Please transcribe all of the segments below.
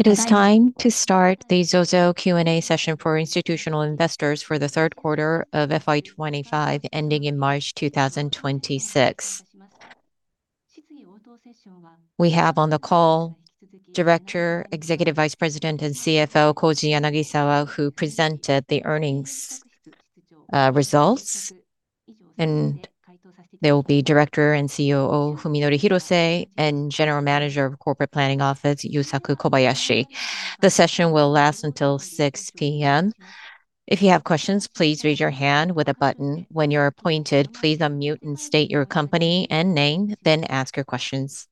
It is time to start the ZOZO Q&A session for institutional investors for the third quarter of FY 2025, ending in March 2026. We have on the call Director, Executive Vice President, and CFO Koji Yanagisawa, who presented the earnings results. There will be Director and COO Fuminori Hirose, and General Manager of Corporate Planning Office, Yusaku Kobayashi. The session will last until 6:00 P.M. If you have questions, please raise your hand with a button. When you're appointed, please unmute and state your company and name, then ask your questions.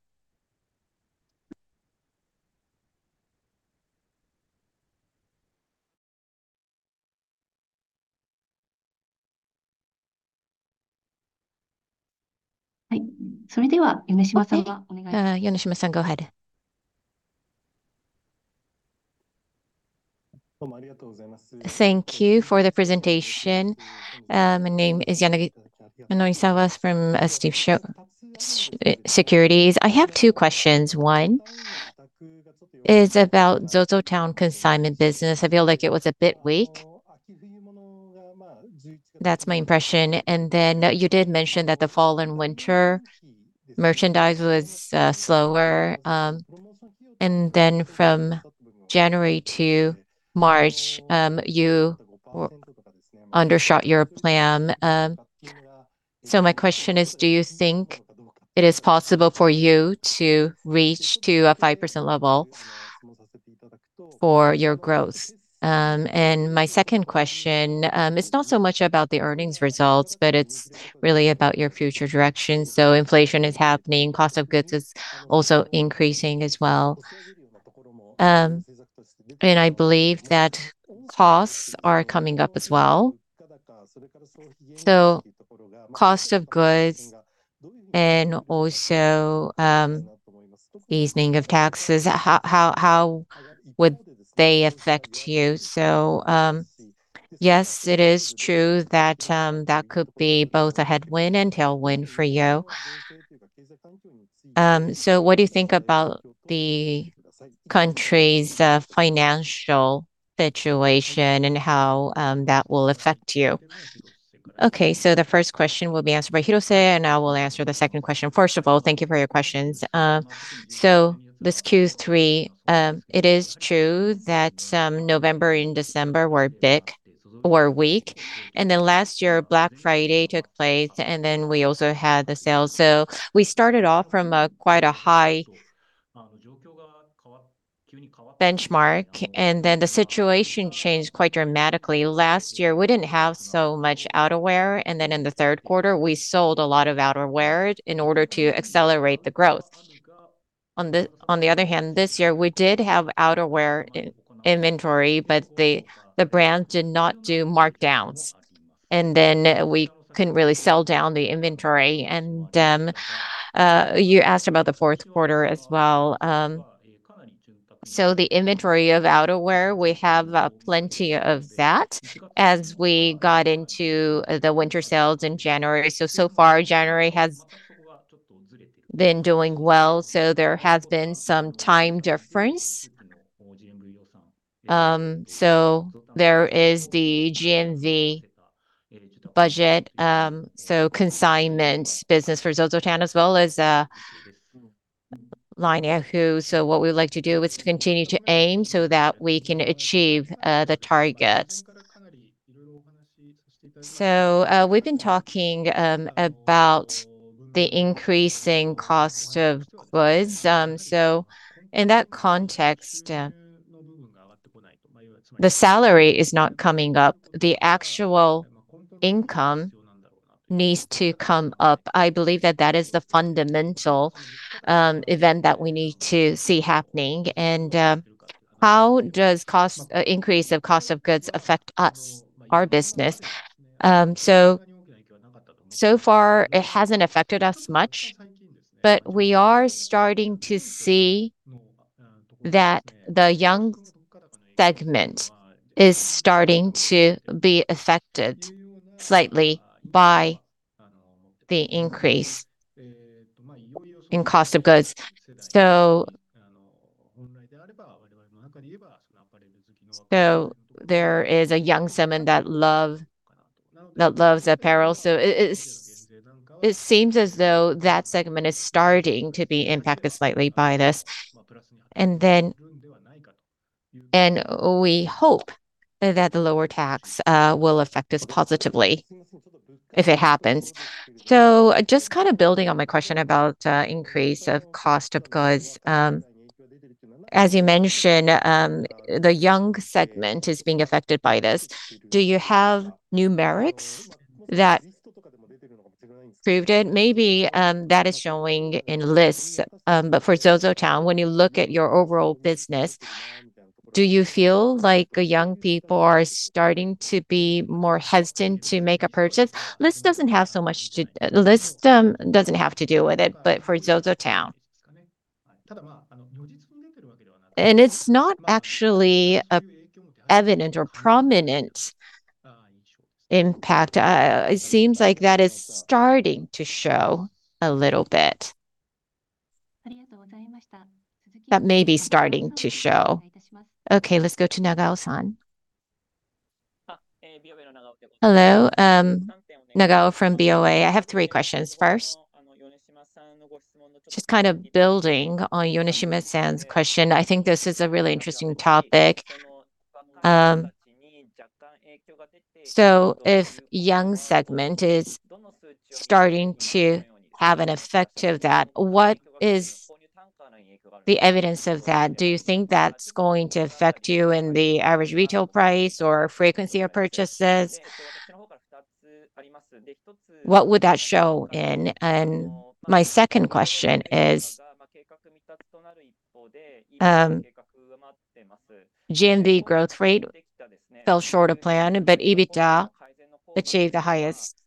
Yanishima-san, go ahead. Thank you for the presentation. My name is Yanagisawa from Steve Securities. I have two questions. One is about ZOZOTOWN consignment business. I feel like it was a bit weak. That's my impression. Then you did mention that the fall and winter merchandise was slower, and then from January to March, you undershot your plan. So my question is: Do you think it is possible for you to reach to a 5% level for your growth? And my second question, it's not so much about the earnings results, but it's really about your future direction. So inflation is happening, cost of goods is also increasing as well. And I believe that costs are coming up as well. So cost of goods and also easing of taxes, how would they affect you? So, yes, it is true that that could be both a headwind and tailwind for you. So what do you think about the country's financial situation and how that will affect you? Okay, so the first question will be answered by Hirose, and I will answer the second question. First of all, thank you for your questions. So this Q3, it is true that November and December were big or weak, and then last year, Black Friday took place, and then we also had the sale. So we started off from a quite a high benchmark, and then the situation changed quite dramatically. Last year, we didn't have so much outerwear, and then in the third quarter, we sold a lot of outerwear in order to accelerate the growth. On the other hand, this year, we did have outerwear in inventory, but the brand did not do markdowns, and then we couldn't really sell down the inventory. And you asked about the fourth quarter as well. So the inventory of outerwear, we have plenty of that as we got into the winter sales in January. So, so far, January has been doing well, so there has been some time difference. So there is the GMV budget, so consignment business for ZOZOTOWN as well as LINE Yahoo! So what we would like to do is to continue to aim so that we can achieve the targets. So, we've been talking about the increasing cost of goods. So in that context, the salary is not coming up. The actual income needs to come up. I believe that that is the fundamental event that we need to see happening. And how does increase of cost of goods affect us, our business? So far, it hasn't affected us much, but we are starting to see that the young segment is starting to be affected slightly by the increase in cost of goods. There is a young segment that loves apparel, so it seems as though that segment is starting to be impacted slightly by this. We hope that the lower tax will affect us positively if it happens. Just kind of building on my question about increase of cost of goods. As you mentioned, the young segment is being affected by this. Do you have numerics that proved it? Maybe that is showing in Lyst. But for ZOZOTOWN, when you look at your overall business, do you feel like the young people are starting to be more hesitant to make a purchase? Lyst doesn't have to do with it, but for ZOZOTOWN. And it's not actually evident or prominent impact, it seems like that is starting to show a little bit. That may be starting to show. Okay, let's go to Nagao-san. Hello, Nagao from BofA. I have three questions. First, just kind of building on Yanishima-san's question, I think this is a really interesting topic. So if young segment is starting to have an effect of that, what is the evidence of that? Do you think that's going to affect you in the average retail price or frequency of purchases? What would that show in? And my second question is, GMV growth rate fell short of plan, but EBITDA achieved the highest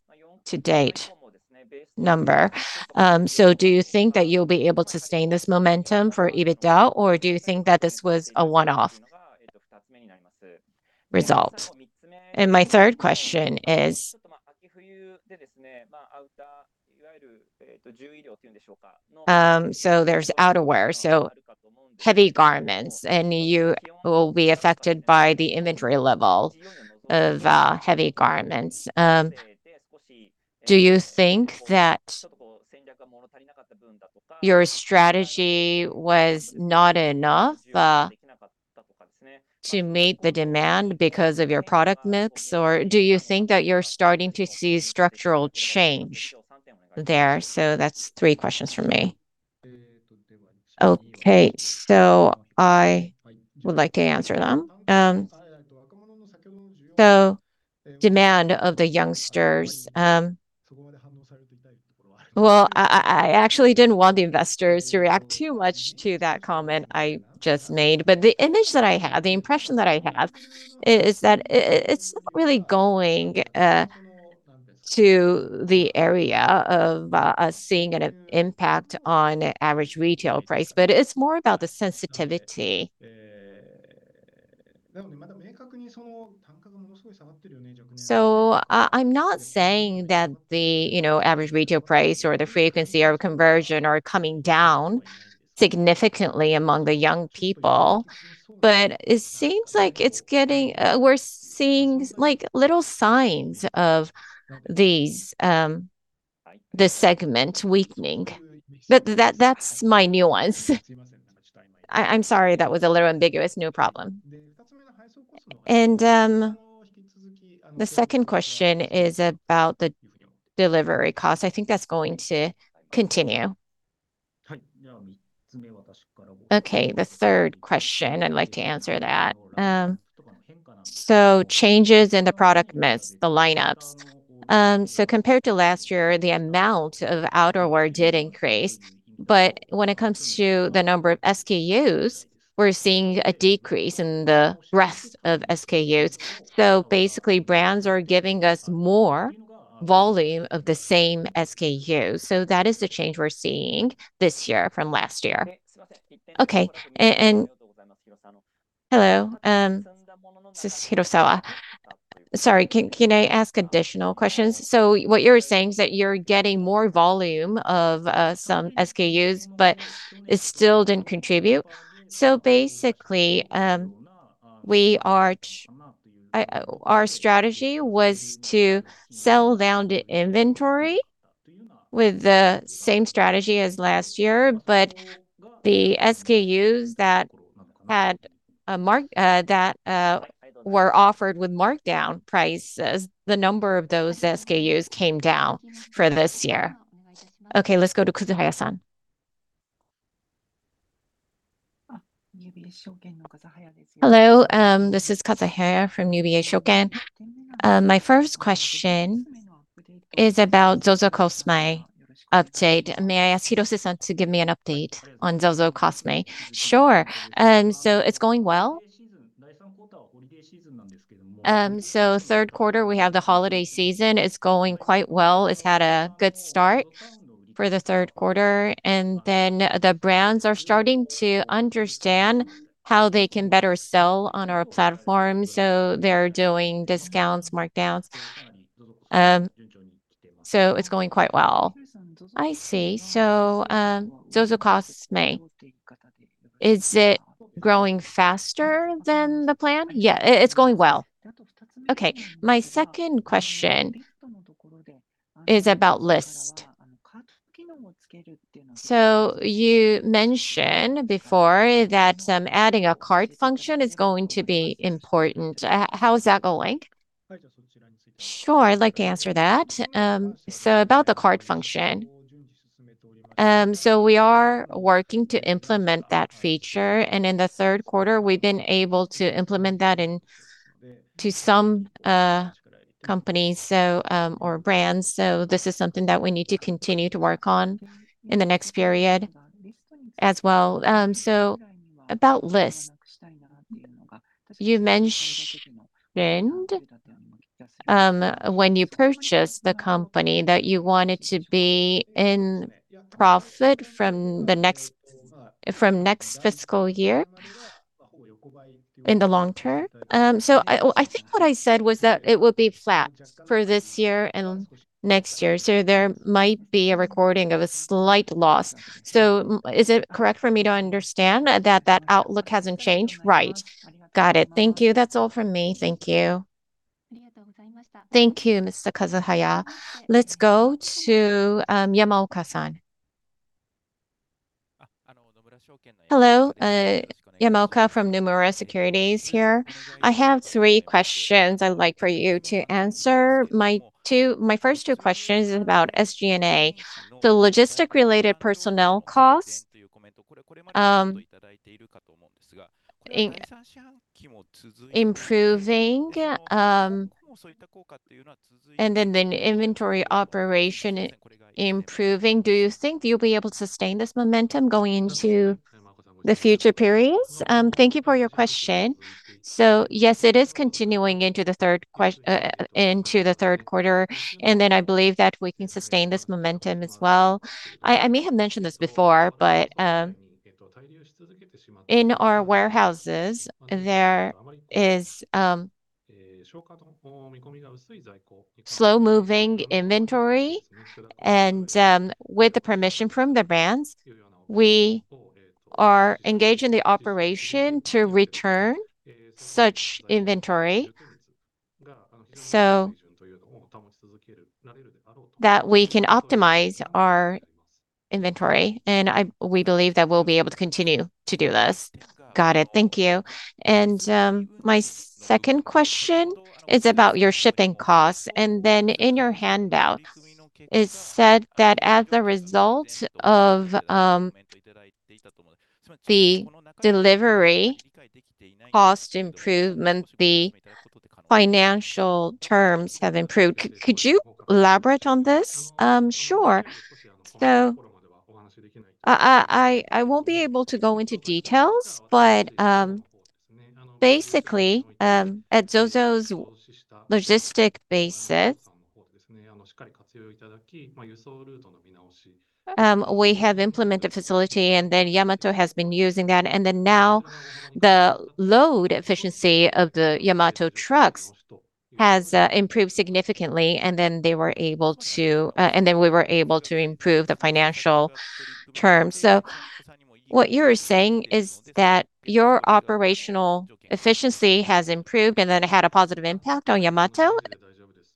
to date number. So do you think that you'll be able to sustain this momentum for EBITDA, or do you think that this was a one-off result? And my third question is, so there's outerwear, so heavy garments, and you will be affected by the inventory level of, heavy garments. Do you think that your strategy was not enough, to meet the demand because of your product mix, or do you think that you're starting to see structural change there? So that's three questions from me. Okay, so I would like to answer them. So demand of the youngsters... Well, I actually didn't want the investors to react too much to that comment I just made, but the image that I have, the impression that I have is that it, it's not really going to the area of us seeing an impact on average retail price, but it's more about the sensitivity. So I'm not saying that the, you know, average retail price or the frequency of conversion are coming down significantly among the young people, but it seems like it's getting... we're seeing, like, little signs of these, the segment weakening. But that's my nuance. I'm sorry, that was a little ambiguous. No problem. And the second question is about the delivery cost. I think that's going to continue. Okay, the third question, I'd like to answer that. So changes in the product mix, the lineups. So compared to last year, the amount of outerwear did increase, but when it comes to the number of SKUs, we're seeing a decrease in the rest of SKUs. Basically, brands are giving us more volume of the same SKU. That is the change we're seeing this year from last year. Okay. Hello, this is Nagao-san. Sorry, can I ask additional questions? What you're saying is that you're getting more volume of some SKUs, but it still didn't contribute? Basically, we are ch- our strategy was to sell down the inventory with the same strategy as last year, but the SKUs that had a mark- that were offered with markdown prices, the number of those SKUs came down for this year. Okay, let's go to Kazuhaya-san. Hello, this is Kazuhaya from UBS Securities. My first question is about ZOZOCOSME update. May I ask Hirose-san to give me an update on ZOZOCOSME? Sure. So it's going well. So third quarter, we have the holiday season. It's going quite well. It's had a good start for the third quarter, and then the brands are starting to understand how they can better sell on our platform, so they're doing discounts, markdowns. So it's going quite well. I see. So, ZOZOCOSME, is it growing faster than the plan? Yeah, it, it's going well. Okay, my second question is about Lyst. So you mentioned before that, adding a cart function is going to be important. How is that going? Sure, I'd like to answer that. So about the cart function, so we are working to implement that feature, and in the third quarter we've been able to implement that into some companies, so or brands. So this is something that we need to continue to work on in the next period as well. So about Lyst, you mentioned when you purchased the company, that you wanted to be in profit from next fiscal year... in the long term? So I think what I said was that it would be flat for this year and next year, so there might be a recording of a slight loss. So is it correct for me to understand that that outlook hasn't changed? Right. Got it. Thank you. That's all from me. Thank you. Thank you, Mr. Kazuhaya. Let's go to Yamaoka-san. Hello, Yamaoka from Nomura Securities here. I have three questions I'd like for you to answer. My first two questions is about SG&A. The logistic-related personnel costs, improving, and then the inventory operation improving, do you think you'll be able to sustain this momentum going into the future periods? Thank you for your question. So yes, it is continuing into the third quarter, and then I believe that we can sustain this momentum as well. I may have mentioned this before, but, in our warehouses, there is, slow-moving inventory, and, with the permission from the brands, we are engaging the operation to return such inventory so that we can optimize our inventory, and we believe that we'll be able to continue to do this. Got it. Thank you. My second question is about your shipping costs. Then in your handout, it's said that as a result of the delivery cost improvement, the financial terms have improved. Could you elaborate on this? Sure. So I won't be able to go into details, but basically, at ZOZO's logistics bases, we have implemented facility, and then Yamato has been using that. And then now, the load efficiency of the Yamato trucks has improved significantly, and then they were able to, and then we were able to improve the financial terms. So what you're saying is that your operational efficiency has improved, and then it had a positive impact on Yamato?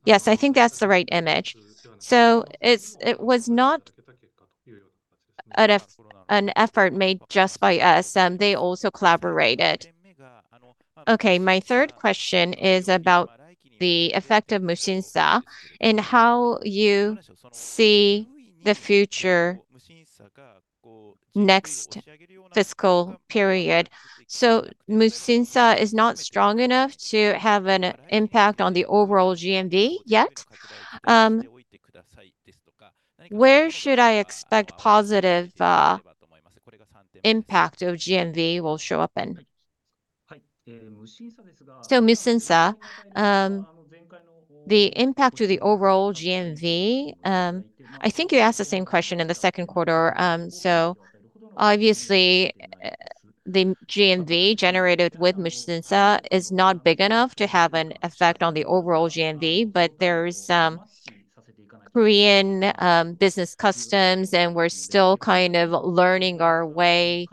Yes, I think that's the right image. So it was not an effort made just by us, they also collaborated. Okay, my third question is about the effect of Musinsa and how you see the future next fiscal period. Musinsa is not strong enough to have an impact on the overall GMV yet. Where should I expect positive impact of GMV will show up in? Musinsa, the impact to the overall GMV, I think you asked the same question in the second quarter. Obviously, the GMV generated with Musinsa is not big enough to have an effect on the overall GMV, but there's some Korean business customs, and we're still kind of learning our way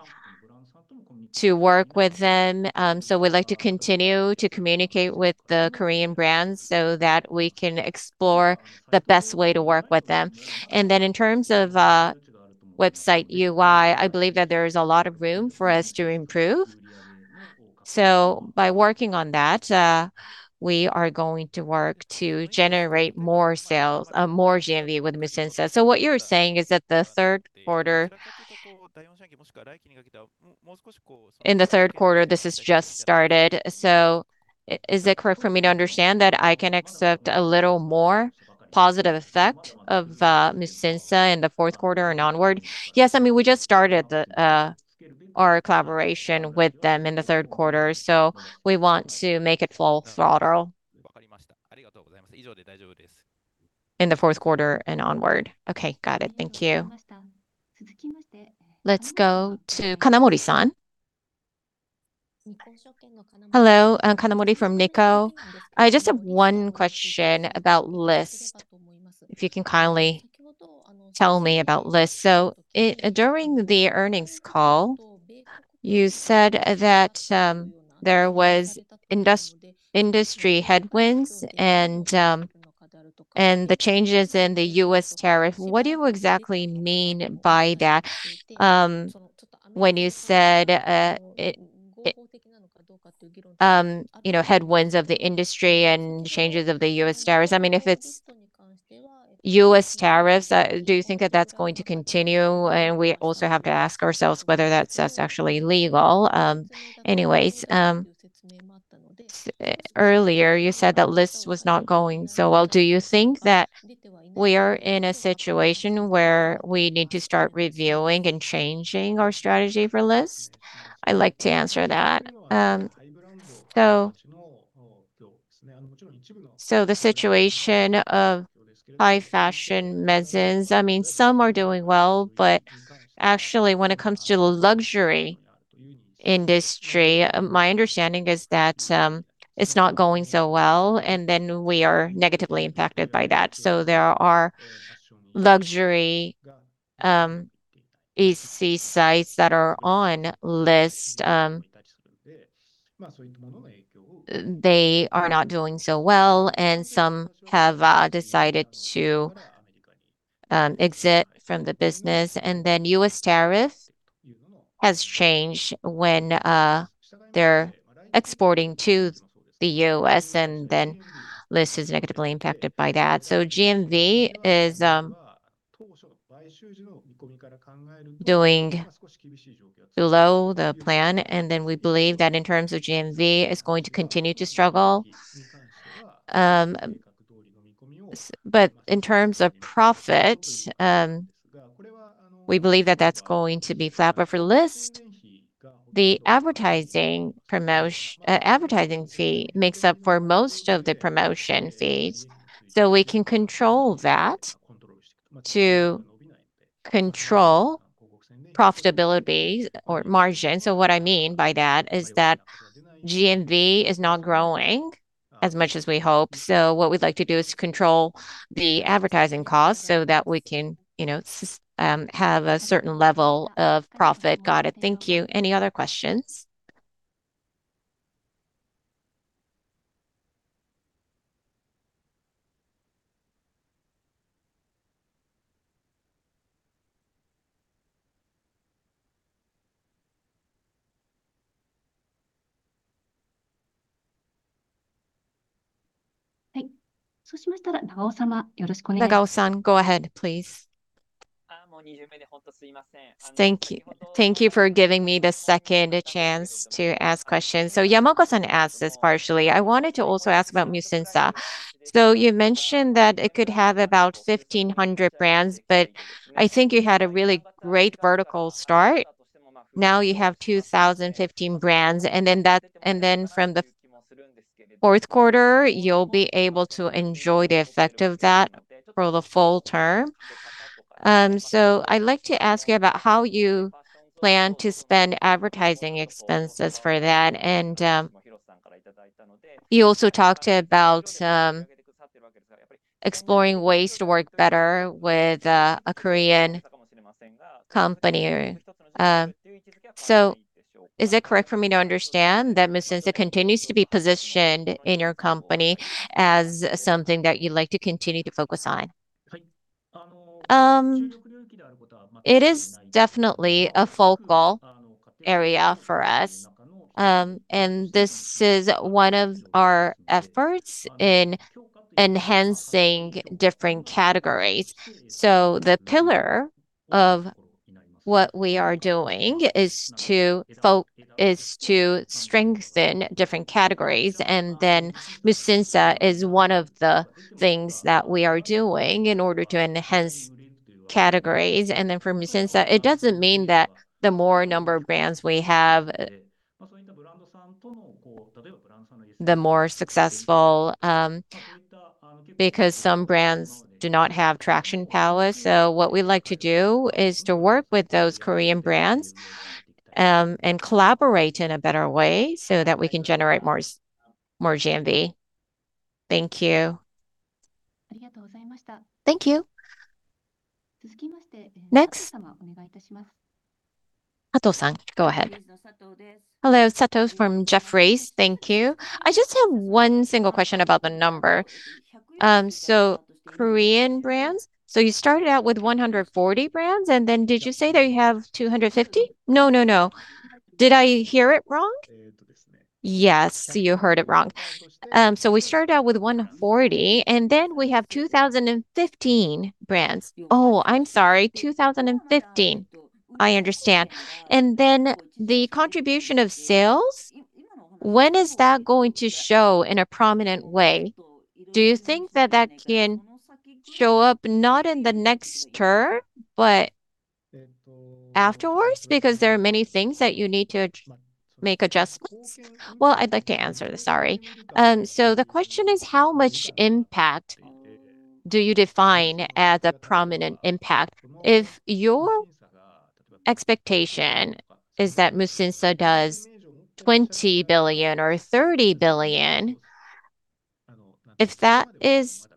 to work with them. We'd like to continue to communicate with the Korean brands so that we can explore the best way to work with them. And then in terms of website UI, I believe that there is a lot of room for us to improve. So by working on that, we are going to work to generate more sales, more GMV with Musinsa. So what you're saying is that the third quarter. In the third quarter, this has just started, so is it correct for me to understand that I can expect a little more positive effect of Musinsa in the fourth quarter and onward? Yes. I mean, we just started the our collaboration with them in the third quarter, so we want to make it full throttle in the fourth quarter and onward. Okay, got it. Thank you. Let's go to Kanamori-san. Hello, Kanamori from Nikko. I just have one question about Lyst, if you can kindly tell me about Lyst. So during the earnings call, you said that there was industry headwinds and the changes in the U.S. tariff. What do you exactly mean by that, when you said, you know, headwinds of the industry and changes of the U.S. tariffs? I mean, if it's U.S. tariffs, do you think that that's going to continue? And we also have to ask ourselves whether that's actually legal. Anyways, earlier, you said that Lyst was not going so well. Do you think that we are in a situation where we need to start reviewing and changing our strategy for Lyst? I'd like to answer that. So the situation of high fashion merchandise, I mean, some are doing well, but actually, when it comes to the luxury industry, my understanding is that, it's not going so well, and then we are negatively impacted by that. So there are luxury EC sites that are on Lyst. They are not doing so well, and some have decided to exit from the business. And then U.S. tariff has changed when they're exporting to the U.S., and then Lyst is negatively impacted by that. So GMV is doing below the plan, and then we believe that in terms of GMV, it's going to continue to struggle. But in terms of profit, we believe that that's going to be flat. But for Lyst, the advertising promotion fee makes up for most of the promotion fees, so we can control that to control profitability or margin. So what I mean by that is that GMV is not growing as much as we hope. So what we'd like to do is to control the advertising costs so that we can, you know, have a certain level of profit. Got it. Thank you. Any other questions? Nagao-san, go ahead, please. Thank you. Thank you for giving me the second chance to ask questions. So Yamako-san asked this partially. I wanted to also ask about Musinsa. So you mentioned that it could have about 1,500 brands, but I think you had a really great vertical start. Now you have 2,015 brands, and then from the fourth quarter, you'll be able to enjoy the effect of that for the full term. So I'd like to ask you about how you plan to spend advertising expenses for that. And you also talked about exploring ways to work better with a Korean company or... So is it correct for me to understand that Musinsa continues to be positioned in your company as something that you'd like to continue to focus on? It is definitely a focal area for us, and this is one of our efforts in enhancing different categories. So the pillar of what we are doing is to strengthen different categories, and then Musinsa is one of the things that we are doing in order to enhance categories. Then for Musinsa, it doesn't mean that the more number of brands we have, the more successful, because some brands do not have traction power. So what we like to do is to work with those Korean brands, and collaborate in a better way so that we can generate more GMV. Thank you. Thank you. Next? Sato-san, go ahead. Hello, Sato from Jefferies. Thank you. I just have one single question about the number. So Korean brands, so you started out with 140 brands, and then did you say that you have 250? No, no, no. Did I hear it wrong? Yes, you heard it wrong. So we started out with 140, and then we have 2,015 brands. Oh, I'm sorry, 2,015. I understand. Then the contribution of sales, when is that going to show in a prominent way? Do you think that that can show up not in the next term, but afterwards? Because there are many things that you need to make adjustments. Well, I'd like to answer this. Sorry. So the question is, how much impact do you define as a prominent impact? If your expectation is that Musinsa does 20 billion or 30 billion, if that is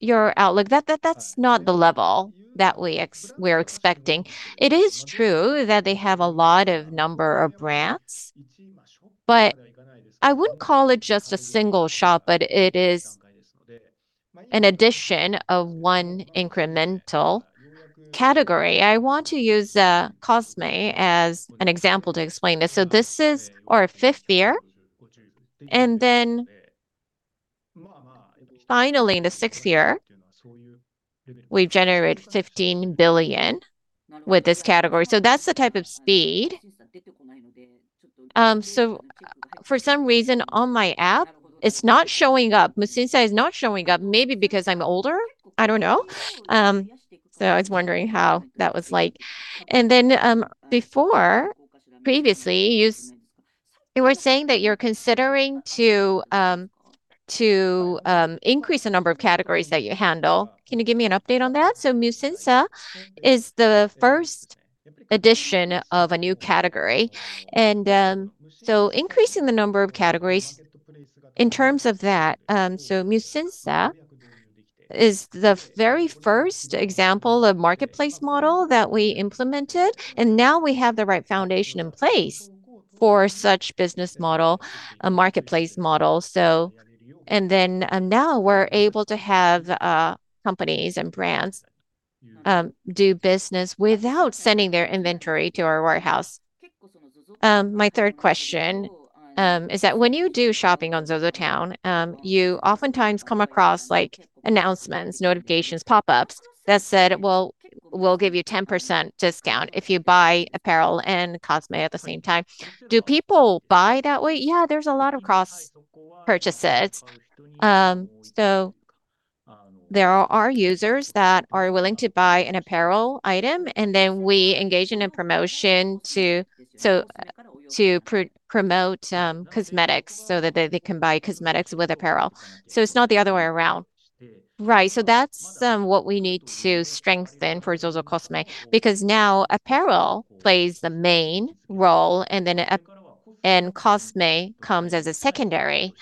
your outlook, that, that, that's not the level that we're expecting. It is true that they have a lot of number of brands, but I wouldn't call it just a single shop, but it is an addition of one incremental category. I want to use COSME e as an example to explain this. So this is our fifth year, and then finally, in the sixth year, we've generated 15 billion with this category. So that's the type of speed. So for some reason, on my app, it's not showing up. Musinsa is not showing up. Maybe because I'm older? I don't know. So I was wondering how that was like. And then, previously, you were saying that you're considering to increase the number of categories that you handle. Can you give me an update on that? So Musinsa is the first edition of a new category, and so increasing the number of categories in terms of that, so Musinsa is the very first example of marketplace model that we implemented, and now we have the right foundation in place for such business model, a marketplace model. So...And then, now we're able to have companies and brands do business without sending their inventory to our warehouse. My third question is that when you do shopping on ZOZOTOWN, you oftentimes come across like announcements, notifications, pop-ups, that said, "Well, we'll give you 10% discount if you buy apparel and cosme at the same time." Do people buy that way? Yeah, there's a lot of cross-purchases. So there are users that are willing to buy an apparel item, and then we engage in a promotion to promote cosmetics so that they can buy cosmetics with apparel. So it's not the other way around. Right, so that's what we need to strengthen for ZOZOCOSME, because now apparel plays the main role, and then and cosme comes as a secondary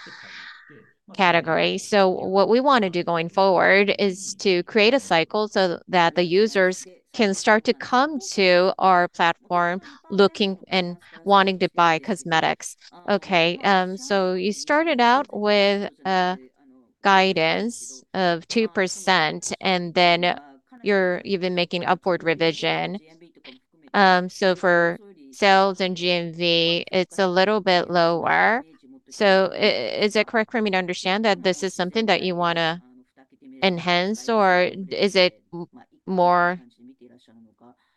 category. So what we wanna do going forward is to create a cycle so that the users can start to come to our platform looking and wanting to buy cosmetics. Okay, so you started out with a guidance of 2%, and then you're even making upward revision. So for sales and GMV, it's a little bit lower. So is it correct for me to understand that this is something that you wanna enhance, or is it more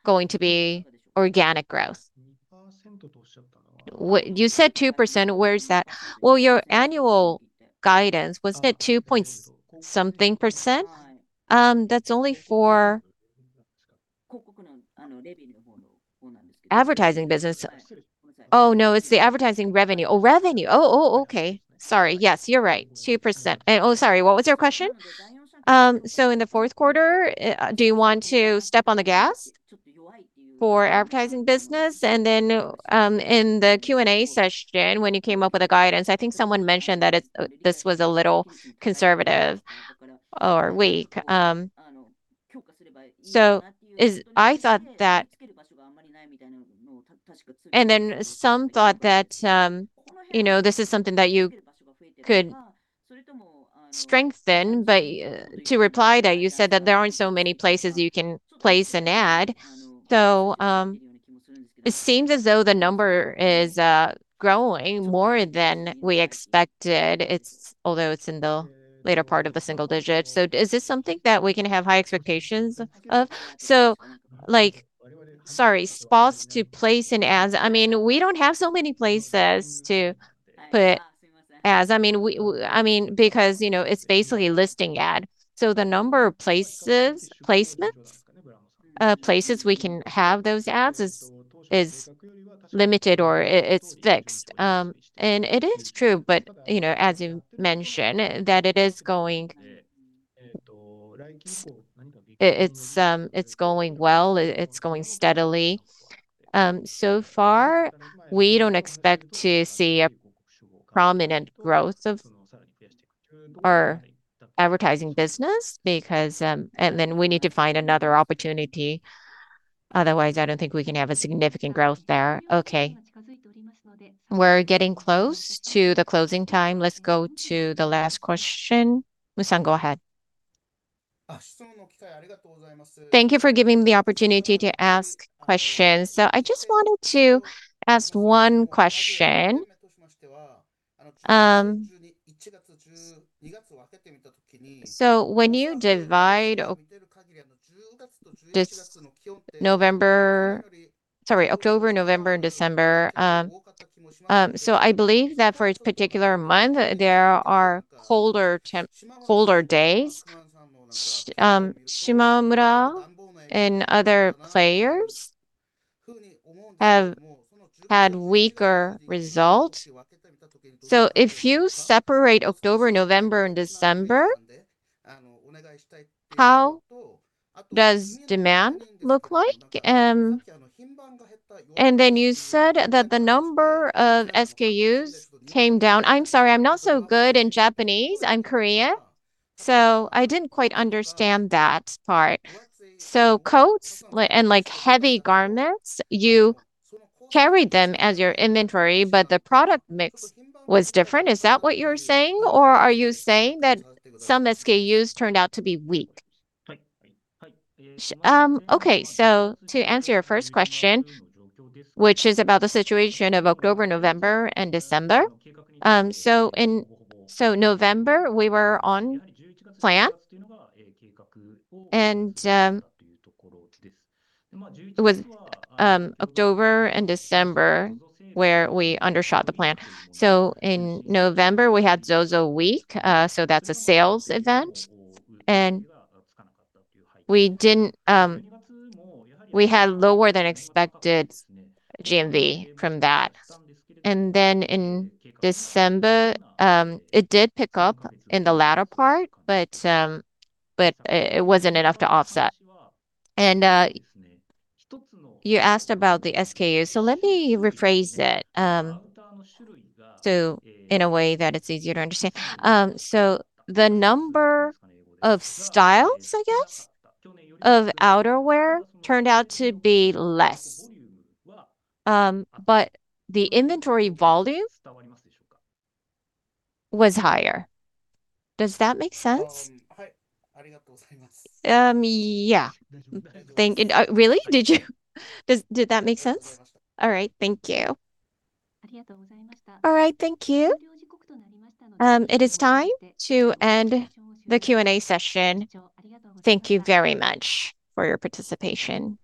going to be organic growth? You said 2%. Where is that? Well, your annual guidance, wasn't it 2.something%? That's only for advertising business. Oh, no, it's the advertising revenue. Oh, revenue! Oh, oh, okay. Sorry. Yes, you're right, 2%. And oh, sorry, what was your question? So, in the fourth quarter, do you want to step on the gas for advertising business? And then, in the Q&A session, when you came up with a guidance, I think someone mentioned that this was a little conservative or weak. So, I thought that. And then some thought that, you know, this is something that you could strengthen, but to reply that you said that there aren't so many places you can place an ad. So, it seems as though the number is growing more than we expected, although it's in the later part of the single digit. So is this something that we can have high expectations of? So, like, sorry, spots to place ads, I mean, we don't have so many places to put ads. I mean, because, you know, it's basically a listing ad. So the number of places, placements, places we can have those ads is limited or it's fixed. And it is true, but, you know, as you mentioned, that it is going... it's going well, it's going steadily. So far, we don't expect to see a prominent growth of our advertising business because... Then we need to find another opportunity. Otherwise, I don't think we can have a significant growth there. Okay. We're getting close to the closing time. Let's go to the last question. Moon-san, go ahead. Thank you for giving me the opportunity to ask questions. So I just wanted to ask one question. So when you divide this November... Sorry, October, November, and December, so I believe that for each particular month, there are colder days. Shimamura and other players have had weaker results. So if you separate October, November, and December, how does demand look like? And then you said that the number of SKUs came down. I'm sorry, I'm not so good in Japanese. I'm Korean, so I didn't quite understand that part. So coats, and, like, heavy garments, you carried them as your inventory, but the product mix was different. Is that what you're saying, or are you saying that some SKUs turned out to be weak? Okay, so to answer your first question, which is about the situation of October, November, and December. So November, we were on plan, and it was October and December where we undershot the plan. So in November, we had ZOZO Week, so that's a sales event, and we didn't... We had lower than expected GMV from that. And then in December, it did pick up in the latter part, but, but it wasn't enough to offset. And, you asked about the SKUs, so let me rephrase it, so in a way that it's easier to understand. So the number of styles, I guess, of outerwear turned out to be less, but the inventory volume was higher. Does that make sense? Yeah. Thank... Really? Did you...? Did that make sense? All right, thank you. All right, thank you. It is time to end the Q&A session. Thank you very much for your participation.